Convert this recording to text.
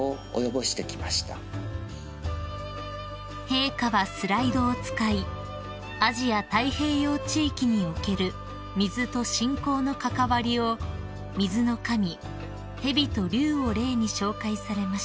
［陛下はスライドを使いアジア太平洋地域における水と信仰の関わりを水の神蛇と竜を例に紹介されました］